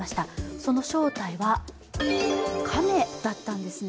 その正体は、亀だったんですね。